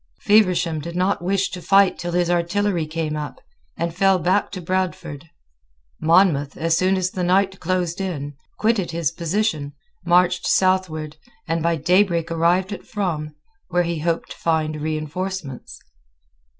Feversham did not wish to fight till his artillery came up, and fell back to Bradford. Monmouth, as soon as the night closed in, quitted his position, marched southward, and by daybreak arrived at Frome, where he hoped to find reinforcements.